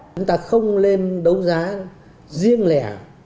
chúng ta không lên đấu giá riêng lẻ